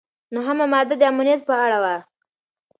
نهمه ماده د امنیت په اړه وه.